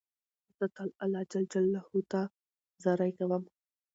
زه تل الله جل جلاله ته زارۍ کوم.